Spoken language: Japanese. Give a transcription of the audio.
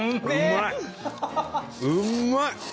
うまい！